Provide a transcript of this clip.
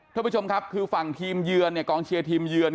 ท่านผู้ชมครับคือฝั่งทีมเยือนเนี่ยกองเชียร์ทีมเยือน